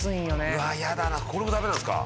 うわやだなこれもダメなんですか？